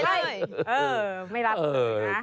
เออไม่รับเพื่อนเลยนะ